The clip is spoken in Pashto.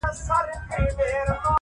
پوهنتون د میني ولوله که غواړې-